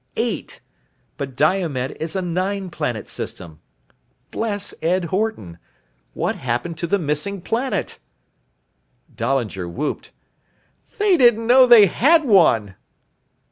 Eight. But Diomed is a nine planet system. Bless Ed Horton. What happened to the missing planet?" Dahlinger w h o o p e d. "They didn't know they had one!"